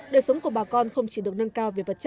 đời sống của bà con không chỉ được nâng cao